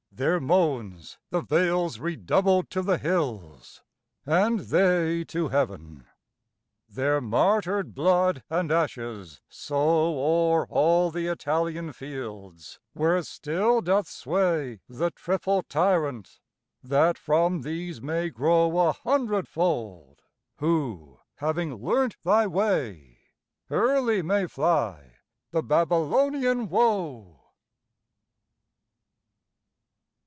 Their moansThe vales redoubled to the hills, and theyTo heaven. Their martyred blood and ashes sowO'er all the Italian fields, where still doth swayThe triple Tyrant; that from these may growA hundredfold, who, having learnt thy way, Early may fly the Babylonian woe.